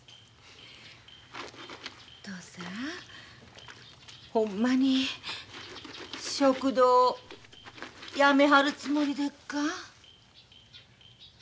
嬢さんほんまに食堂やめはるつもりでっか？